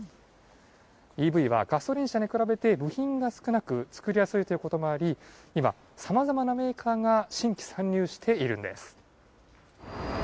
ＥＶはガソリン車に比べて部品が少なく、作りやすいということもあり、今、さまざまなメーカーが新規参入しているんです。